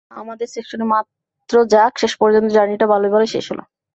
হ্যাঁ, আমাদের সেকশনে মাত্র যাক, শেষ পর্যন্ত জার্নিটা ভালোয় ভালোয় শেষ হলো!